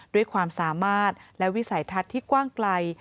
ด้วยความสามารถและวิสัยทัศน์ที่กว้างไกล